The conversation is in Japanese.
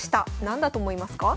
何だと思いますか？